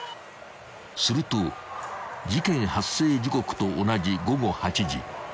［すると事件発生時刻と同じ午後８時］